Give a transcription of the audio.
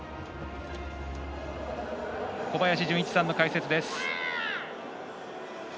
小林順一さんの解説です。